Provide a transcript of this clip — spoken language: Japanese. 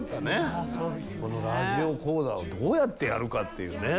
この「ラジオ講座」をどうやってやるかっていうね。